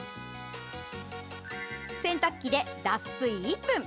洗濯機で脱水１分。